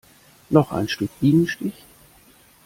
Noch ein Stück Bienenstich?